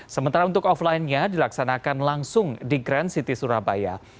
sementara untuk offline nya dilaksanakan langsung di grand city surabaya